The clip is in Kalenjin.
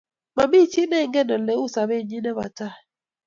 Mami chi neingen ole u sopennyi ne po tai